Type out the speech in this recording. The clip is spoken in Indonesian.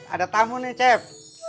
ada tamu nih cep